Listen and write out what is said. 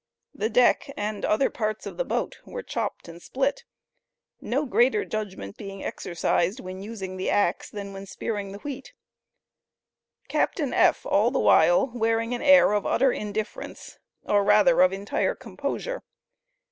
The deck and other parts of the boat were chopped and split; no greater judgment being exercised when using the axe than when spearing the wheat; Captain F. all the while wearing an air of utter indifference or rather of entire composure.